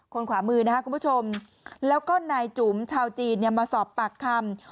ขวามือนะครับคุณผู้ชมแล้วก็นายจุ๋มชาวจีนเนี่ยมาสอบปากคำ